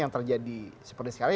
yang terjadi seperti sekarang